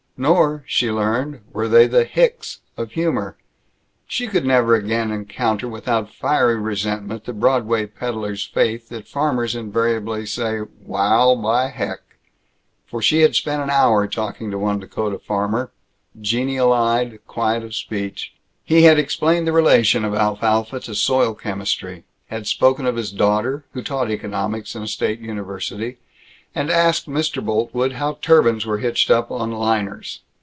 Nor, she learned, were they the "hicks" of humor. She could never again encounter without fiery resentment the Broadway peddler's faith that farmers invariably say "Waal, by heck." For she had spent an hour talking to one Dakota farmer, genial eyed, quiet of speech. He had explained the relation of alfalfa to soil chemistry; had spoken of his daughter, who taught economics in a state university; and asked Mr. Boltwood how turbines were hitched up on liners.